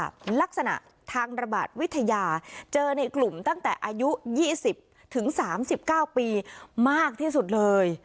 ลักษณะทางระบาดวิทยาเจอในกลุ่มตั้งแต่อายุ๒๐ถึง๓๙ปีมากที่สุดเลย